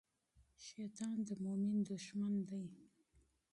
شیطان دښمن دی.